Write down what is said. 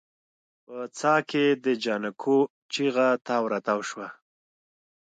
په څاه کې د جانکو چيغه تاو راتاو شوه.